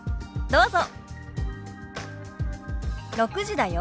どうぞ。